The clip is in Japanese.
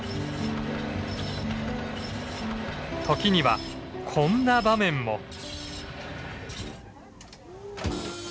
時にはこんな場面も。